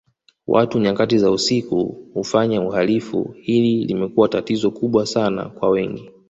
Watu nyakati za usiku ufanya uhalifu hili limekuwa tatizo kubwa Sana kwa wengi